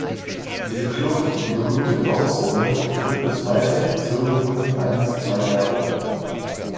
Diese Kluft, die berühmte Grauzone, führt bisweilen zu Verzögerungen von ein bis zwei Jahren.